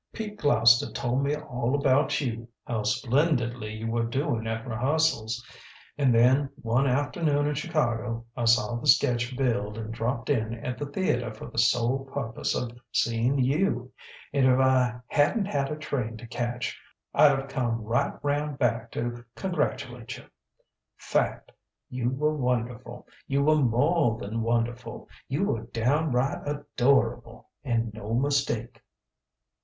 Pete Gloucester told me all about you how splendidly you were doing at rehearsals and then, one afternoon in Chicago, I saw the sketch billed and dropped in at the theatre for the sole purpose of seeing you. And if I hadn't had a train to catch, I'd have come right round back to congratulate you. Fact! You were wonderful. You were more than wonderful: you were downright adorable, and no mistake!"